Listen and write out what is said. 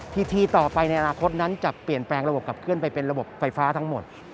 ทีต่อไปในอนาคตนั้นจะเปลี่ยนแปลงระบบขับเคลื่อนไปเป็นระบบไฟฟ้าทั้งหมด